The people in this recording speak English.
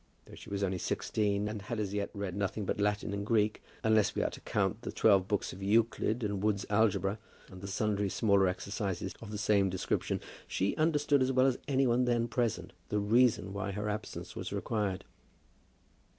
Though she was only sixteen, and had as yet read nothing but Latin and Greek, unless we are to count the twelve books of Euclid and Wood's Algebra, and sundry smaller exercises of the same description, she understood, as well as any one then present, the reason why her absence was required.